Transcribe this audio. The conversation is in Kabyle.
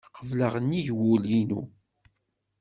Qebleɣ nnig wul-inu.